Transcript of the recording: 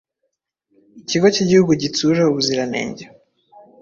Ikigo cy’ igihugu gitsura ubuziranenge